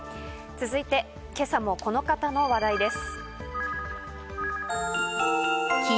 続いて今朝もこの方の話題です。